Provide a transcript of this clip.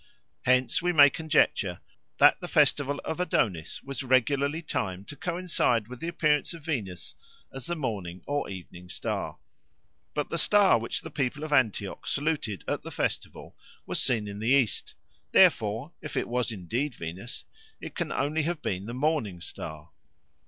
Hence we may conjecture that the festival of Adonis was regularly timed to coincide with the appearance of Venus as the Morning or Evening Star. But the star which the people of Antioch saluted at the festival was seen in the East; therefore, if it was indeed Venus, it can only have been the Morning Star.